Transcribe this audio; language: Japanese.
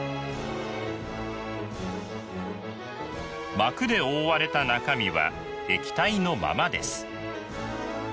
膜で覆われた中身は液体のままです。